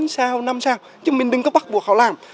sao năm sao chứ mình đừng có bắt buộc họ làm